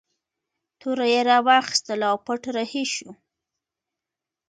توره یې راواخیستله او پټ رهي شو.